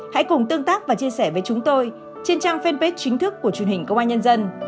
hãy cùng tương tác và chia sẻ với chúng tôi trên trang fanpage chính thức của truyền hình công an nhân dân